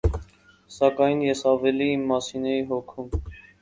Սակայն ես ավելի իմ մասին էի հոգում: